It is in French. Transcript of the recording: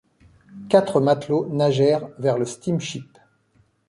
Quatre matelots nagèrent vers le steam-ship.